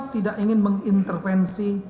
tidak ingin mengintervensi